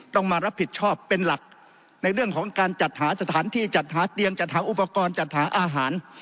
ต้องมารับผิดชอบเป็นหลักในเรื่องของการจัดหาสถานที่จัดหาเตียงจัดหาอุปกรณ์จัดหาอาหาร